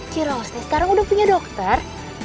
ciro sekarang udah punya dokter